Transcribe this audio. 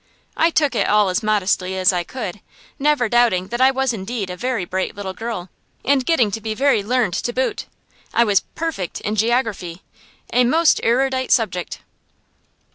I took it all as modestly as I could, never doubting that I was indeed a very bright little girl, and getting to be very learned to boot. I was "perfect" in geography, a most erudite subject.